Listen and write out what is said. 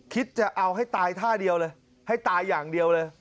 คิดจะเอาให้ตายท่าเดียวเลยให้ตายอย่างเดียวเลย